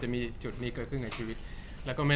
จากความไม่เข้าจันทร์ของผู้ใหญ่ของพ่อกับแม่